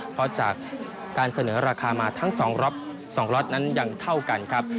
เพราะจากการเสนอราคามาทั้ง๒ล็อตนั้นยังเท่ากันครับ